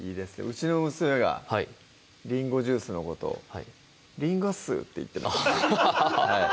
うちの娘がりんごジュースのこと「りんごっす」って言ってます